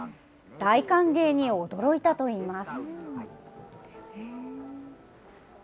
大歓迎に驚いたといいます。